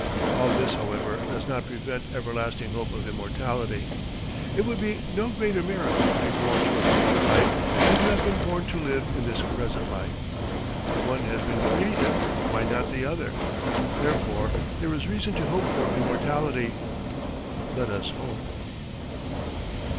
All this, however, does not prevent everlasting hope of immortality. It would be no greater miracle to be born to a future life than to have been born to live in this present life. The one has been created, why not the other? Therefore there is reason to hope for immortality. Let us hope.